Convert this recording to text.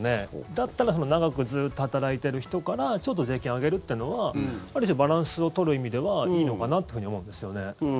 だったら長くずっと働いてる人からちょっと税金を上げるというのはある種、バランスを取る意味ではいいのかなというふうに思うんですよね。